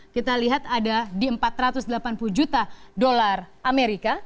kita lihat ada di empat ratus delapan puluh juta dolar amerika